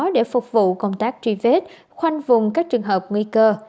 để phục vụ công tác truy vết khoanh vùng các trường hợp nguy cơ